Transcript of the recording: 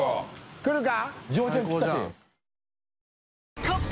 来るか？